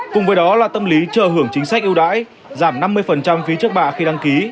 cùng với đó là tâm lý chờ hưởng chính sách ưu đãi giảm năm mươi phí trước bạ khi đăng ký